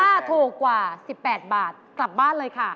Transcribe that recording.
ถ้าถูกกว่า๑๘บาทกลับบ้านเลยค่ะ